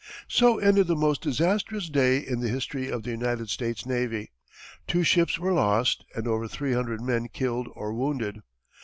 So ended the most disastrous day in the history of the United States navy. Two ships were lost, and over three hundred men killed or wounded.